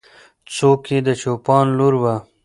څوک یې د چوپان لور وه؟